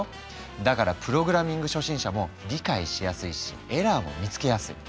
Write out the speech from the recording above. だからプログラミング初心者も理解しやすいしエラーも見つけやすい。